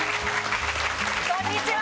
こんにちは！